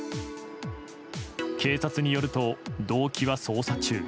警察によると動機は、捜査中。